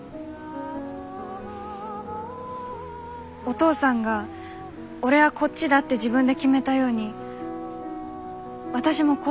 お父さんが俺はこっちだって自分で決めたように私もこっちだって自分で決めたい。